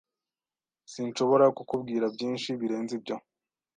Sinshobora kukubwira byinshi birenze ibyo.